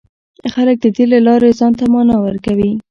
خلک د دې له لارې ځان ته مانا ورکوي.